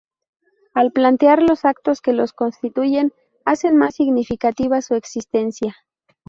Al plantear los actos que los constituyen, hacen más significativa su existencia.